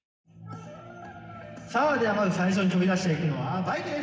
さあではまず最初に飛び出していくのはバイクです！